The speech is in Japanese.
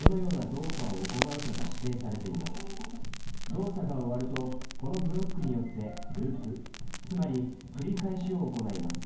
動作が終わるとこのブロックによってループつまり繰り返しを行います。